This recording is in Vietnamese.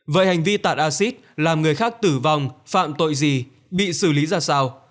vậy hành vi tạt acid làm người khác tử vong phạm tội gì bị xử lý ra sao